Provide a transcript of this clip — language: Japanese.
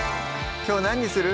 きょう何にする？